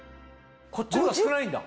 こっちのが少ないんだ。